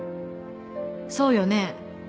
そうよね